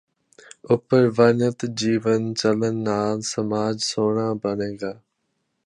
ਉਪਰ ਵਰਣਿਤ ਜੀਵਨ ਚੱਲਣ ਨਾਲ ਸਮਾਜ ਸੋਹਣਾ ਬਣੇਗਾ